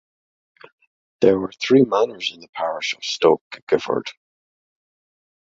There were three manors in the parish of Stoke Gifford.